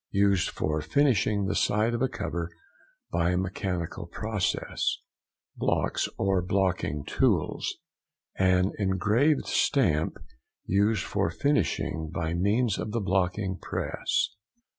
Used for finishing the side of a cover by a mechanical process. BLOCKS OR BLOCKING TOOLS.—An engraved stamp used for finishing by means of the blocking press.